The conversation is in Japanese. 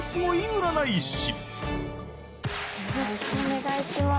よろしくお願いします。